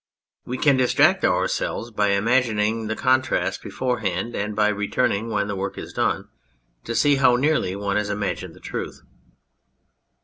We can distract ourselves by imagining the contrast beforehand and by return ing, when the work is done, to see how nearly one has imagined the truth.